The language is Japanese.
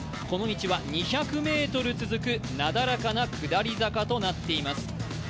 この道は２００ｍ続く、なだらかな下り坂となっています。